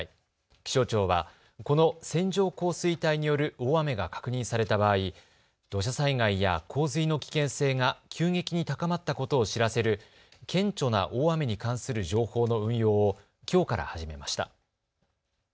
気象庁はこの線状降水帯による大雨が確認された場合、土砂災害や洪水の危険性が急激に高まったことを知らせる顕著な大雨に関する情報の運用をきょうから始めました。